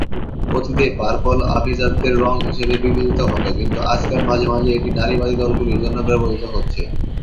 অতীতে 'পার্পল' আভিজাত্যের রঙ হিসেবে বিবেচিত হতো কিন্তু আজকাল মাঝে মাঝে এটি নারীবাদী দলগুলির জন্য ব্যবহৃত হচ্ছে।